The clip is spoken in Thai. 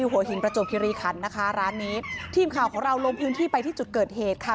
หัวหินประจวบคิริขันนะคะร้านนี้ทีมข่าวของเราลงพื้นที่ไปที่จุดเกิดเหตุค่ะ